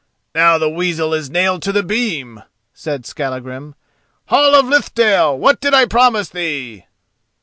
"Now the weasel is nailed to the beam," said Skallagrim. "Hall of Lithdale, what did I promise thee?"